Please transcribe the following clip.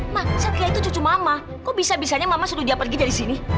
emang satria itu cucu mama kok bisa bisanya mama suruh dia pergi dari sini